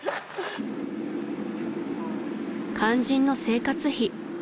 ［肝心の生活費］